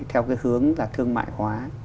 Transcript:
theo cái hướng là thương mại hóa